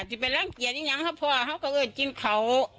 จะบรรลังเกียจยังยังหรือเปล่าเขาก็เอาจิ้นเขา